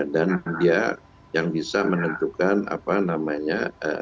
dan dia yang bisa menentukan apa namanya